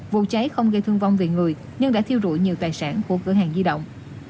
vụ cháy không gây thương vong về người nhưng đã thiêu rụi nhiều tài sản của cửa hàng di động